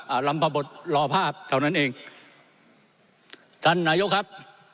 อ่าลำภาบทร์รอภาพเท่านั้นเองท่านนายุคครับ